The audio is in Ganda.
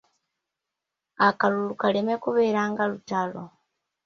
Akalulu kaleme kubeera nga lutalo.